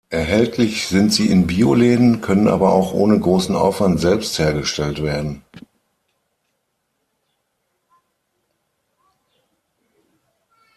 Erhältlich sind sie in Bioläden, können aber auch ohne großen Aufwand selbst hergestellt werden.